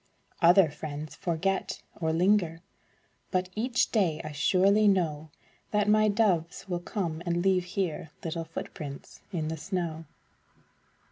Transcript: Other friends forget, or linger, But each day I surely know That my doves will come and leave here Little footprints in the snow.